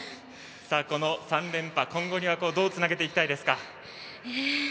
この３連覇、今後にはどうつなげていきたいですか？